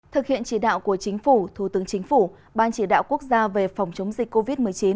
thực hiện chỉ đạo của chính phủ thủ tướng chính phủ ban chỉ đạo quốc gia về phòng chống dịch covid một mươi chín